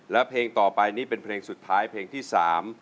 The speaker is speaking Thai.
แล้วเพลงต่อไปนี่เป็นเพลงสุดท้ายเพลงที่สาม